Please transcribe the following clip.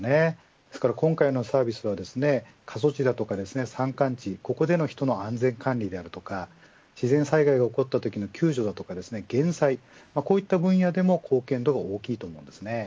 ですから今回のサービスは過疎地だとか山間地、ここでの人の安全管理であるとか自然災害が起こったときの救助とか減災と言った分野での貢献に大きいと思います。